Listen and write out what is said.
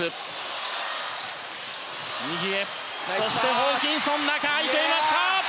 ホーキンソン中、空いていました！